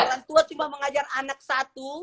kita cuma mengajar anak satu